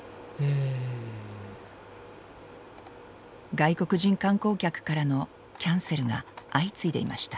外国人観光客からのキャンセルが相次いでいました。